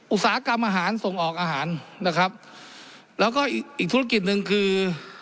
อุตสาหกรรมอาหารส่งออกอาหารนะครับแล้วก็อีกอีกธุรกิจหนึ่งคือ